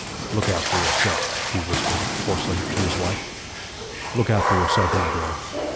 "Look out for yourself," he whispered, hoarsely, to his wife. "Look out for yourself, my girl.